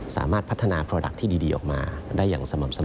สามารถพัฒนาโปรดักต์ที่ดีออกมาได้อย่างสม่ำเสมอ